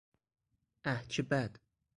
اه چه بد!